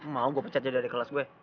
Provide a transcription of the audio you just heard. mau gue pecat jadi dari kelas gue